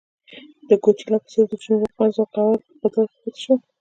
د ګواتیلا په څېر د جنوب واکمن ځمکوال په قدرت کې پاتې شول.